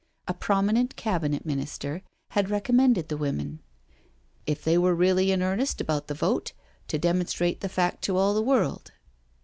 A prominent Cabinet Minister had recommended the women, " if they were really in earnest about the vote, to demonstrate the fact to all the world."